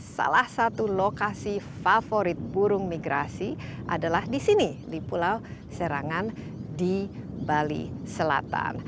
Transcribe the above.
salah satu lokasi favorit burung migrasi adalah di sini di pulau serangan di bali selatan